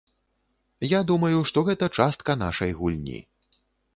Я думаю, што гэта частка нашай гульні.